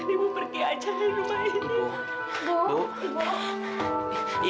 ibu pergi aja dari rumah ini